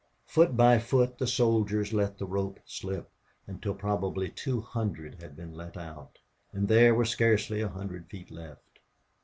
Foot by foot the soldiers let the rope slip, until probably two hundred had been let out, and there were scarcely a hundred feet left.